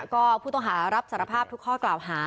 ก็ผู้ต้องหารับสารภาพทุกข้อกล่าวหา